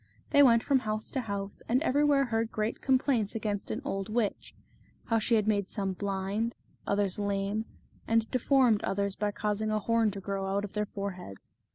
They went from house to house, and every where heard great complaints against an old witch ; how she had made some blind, others lame, and de formed others by causing a horn to grow out of their foreheads.